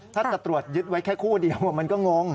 ถ้าจะตรวจยึดไว้แค่คู่เดียวมันก็งง